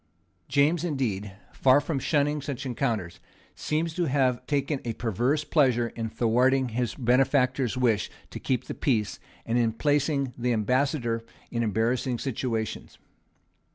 James indeed, far from shunning such encounters, seems to have taken a perverse pleasure in thwarting his benefactor's wish to keep the peace, and in placing the Ambassador in embarrassing situations.